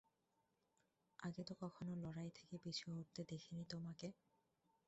আগে তো কখনো লড়াই থেকে পিছু হঁটতে দেখিনি তোমাকে।